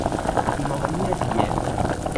بیماری ریه